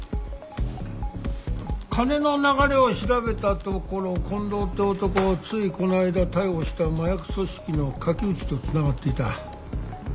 金の流れを調べたところ近藤って男ついこの間逮捕した麻薬組織の垣内とつながっていた。